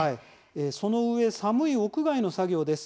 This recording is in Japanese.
そのうえ寒い屋外の作業です。